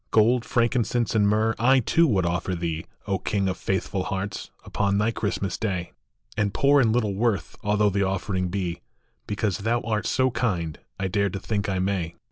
Gk>ld, frankincense, and myrrh I, too, would offer thee, O King of faithful hearts, upon thy Christmas Day ; \nd ipoor and little worth although the offering be, Because thou art so kind, I dare to think I may.